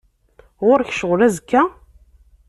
Ɣur-k ccɣel azekka?